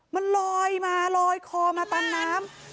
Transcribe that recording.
มันลอยมาลอยคอมาตามน้ำ